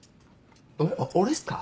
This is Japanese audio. お俺っすか？